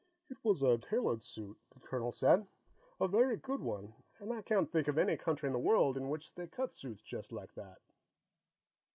"It was a tailored suit," the colonel said. "A very good one. And I can't think of any country in the world in which they cut suits just like that.